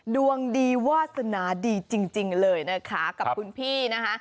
ดวงดีวาสนาดีจริงเลยนะคะกับคุณพี่นะคะ